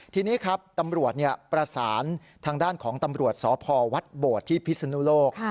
ทีนี้ครับตำรวจประสานทางด้านของตำรวจสพวัดโบดที่พิศนุโลก